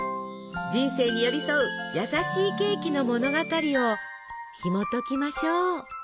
人生に寄り添う優しいケーキの物語をひもときましょう。